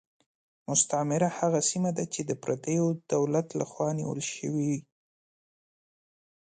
مستعمره هغه سیمه ده چې د پردیو دولت له خوا نیول شوې.